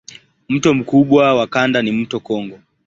Mto mkubwa wa kanda ni mto Kongo.